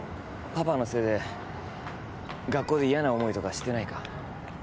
パパのせいで学校で嫌な思いとかしてないか？